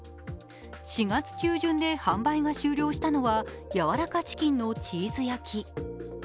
４月中旬で販売で終了したのは柔らかチキンのチーズ焼き。